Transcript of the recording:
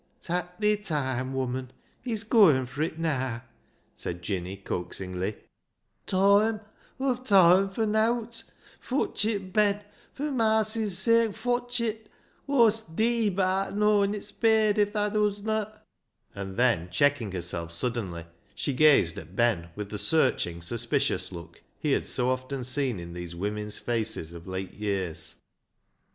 '' Tak' thi toime, woman ; he's gooin' fur it naa !" said Jinny coaxingly. " Toime ! Aw've toime fur nowt. Fotch it, Ben ; fur marcy's sake fotch it. Aw'st dee ba'at knowing it's paid if thaa doesna." And then, checking herself suddenly, she gazed at Ben with the searching, suspicious look he had so often seen in these women's faces of late years.